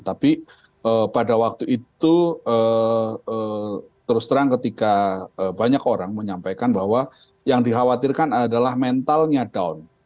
tapi pada waktu itu terus terang ketika banyak orang menyampaikan bahwa yang dikhawatirkan adalah mentalnya down